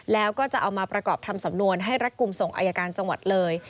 แล้วก็จะเอามาประกอบทำสำนวนให้รัดกลุ่มส่งอายการจังหวัดเลย